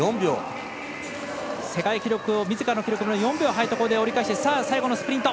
世界記録をみずからの記録から４秒速いところで折り返して最後のスプリント。